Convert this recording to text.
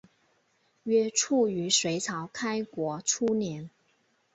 约卒于隋朝开国初年。